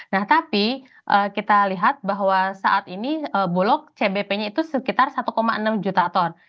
nah tapi kita lihat bahwa saat ini bulog cbp nya itu sekitar satu enam juta ton